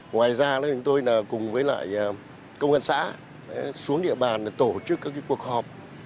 ngoài ra chúng tôi cùng với công an xã xuống địa bàn tổ chức các cuộc họp